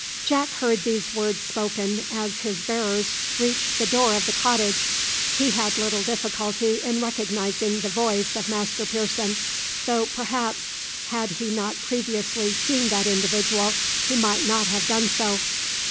Jack heard these words spoken as his bearers reached the door of the cottage. He had little difficulty in recognising the voice of Master Pearson, though perhaps had he not previously seen that individual he might not have done so.